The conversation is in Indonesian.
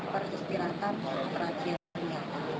peristirahatan untuk kerajaannya